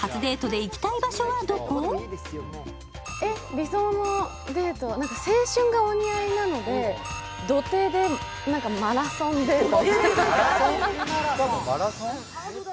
理想のデート、青春がお似合いなので土手でマラソンデート？